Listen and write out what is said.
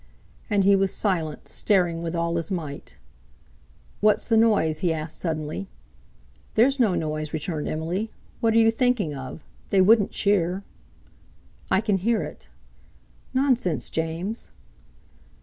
And he was silent, staring with all his might. "What's the noise?" he asked suddenly. "There's no noise," returned Emily; "what are you thinking of?—they wouldn't cheer." "I can hear it." "Nonsense, James!"